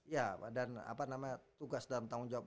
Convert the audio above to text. ya dan apa namanya tugas dan tanggung jawab